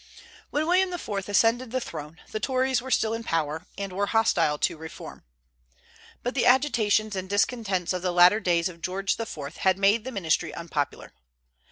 When William IV. ascended the throne the Tories were still in power, and were hostile to reform. But the agitations and discontents of the latter days of George IV. had made the ministry unpopular.